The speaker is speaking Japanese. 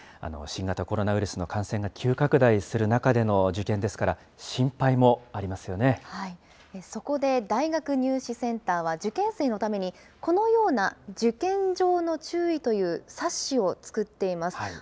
新型コロナウイルスの感染が急拡大する中での受験ですから、そこで、大学入試センターは受験生のために、このような受験上の注意という冊子を作っています。